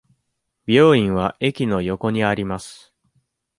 美容院は駅の横にあります。